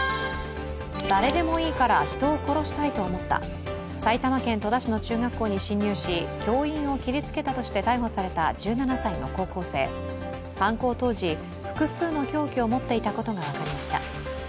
誰でもいいから人を殺したいと思った、埼玉県戸田市の中学校に侵入し、教員を切りつけたとして逮捕された１７歳の高校生、犯行当時、複数の凶器を持っていたことが分かりました。